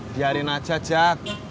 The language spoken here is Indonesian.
biarin aja jak